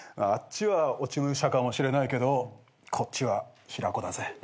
あっちは落ち武者かもしれないけどこっちは平子だぜ。